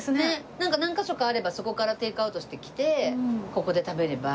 なんか何カ所かあればそこからテイクアウトしてきてここで食べれば。